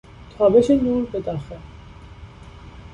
تابش نور به داخل